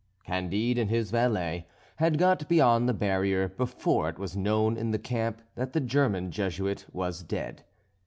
Candide and his valet had got beyond the barrier, before it was known in the camp that the German Jesuit was dead.